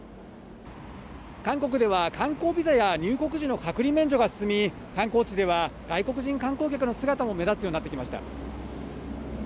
韓国では観光ビザや入国時の隔離免除が進み、観光地では外国人観光客の姿も目立つようになってきました。